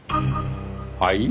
はい？